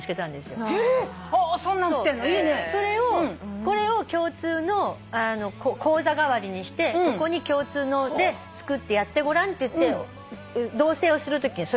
これを共通の口座代わりにしてここに共通のでつくってやってごらんって言って同棲をするときにそれを渡したの。